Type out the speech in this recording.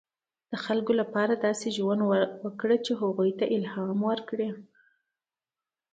• د خلکو لپاره داسې ژوند وکړه، چې هغوی ته الهام ورکړې.